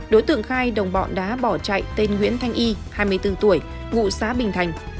đối tượng khai đồng bọn đã bỏ chạy tên nguyễn thanh y hai mươi bốn tuổi ngụ xã bình thành